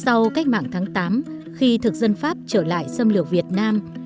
sau cách mạng tháng tám khi thực dân pháp trở lại xâm lược việt nam